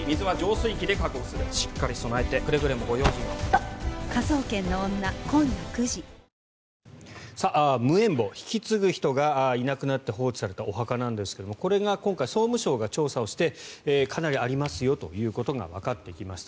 ハイクラスカードはダイナースクラブ無縁墓、引き継ぐ人がいなくなって放置されたお墓なんですがこれが今回、総務省が調査をしてかなりありますよということがわかってきました。